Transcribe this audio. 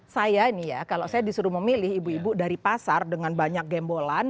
saya ini ya kalau saya disuruh memilih ibu ibu dari pasar dengan banyak gembolan